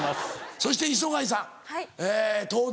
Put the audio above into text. そして磯貝さん東大？